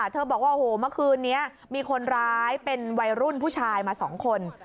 บอกว่าโอ้โหเมื่อคืนนี้มีคนร้ายเป็นวัยรุ่นผู้ชายมา๒คน